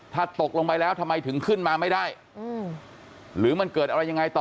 ถ้าตกลงไปแล้วทำไมถึงขึ้นมาไม่ได้หรือมันเกิดอะไรยังไงต่อ